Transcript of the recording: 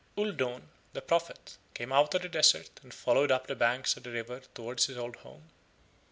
Uldoon, the prophet, came out of the desert and followed up the bank of the river towards his old home.